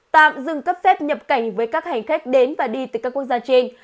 tạm dừng cấp phép nhập cảnh với các hành khách đến và đi từ các quốc gia trên